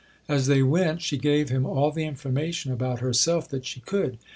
As they went, she gave him all the information about herself that she could.